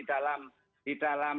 adanya bisnis di dalam